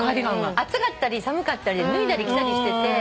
暑かったり寒かったりで脱いだり着たりしてて。